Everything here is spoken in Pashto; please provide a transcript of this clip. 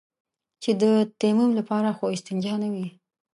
چې د تيمم لپاره خو استنجا نه وي.